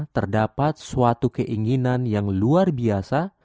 terdapat suatu keinginan yang luar biasa